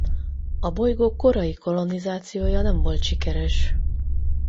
A bolygó korai kolonizációja nem volt sikeres.